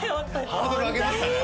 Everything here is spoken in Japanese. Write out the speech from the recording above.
ハードル上げましたね。